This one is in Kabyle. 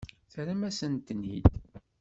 Terram-asen-ten-id.